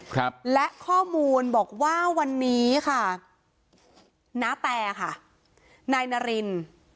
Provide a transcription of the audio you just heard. ครับและข้อมูลบอกว่าวันนี้ค่ะณแตค่ะนายนาริน